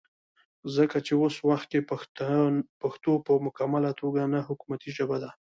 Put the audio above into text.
ځکه چې وس وخت کې پښتو پۀ مکمله توګه نه حکومتي ژبه ده